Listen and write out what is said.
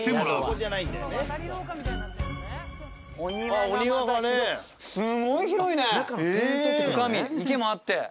女将池もあって。